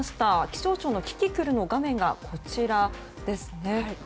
気象庁のキキクルの画面がこちらですね。